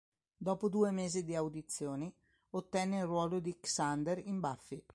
Dopo due mesi di audizioni ottenne il ruolo di Xander in "Buffy".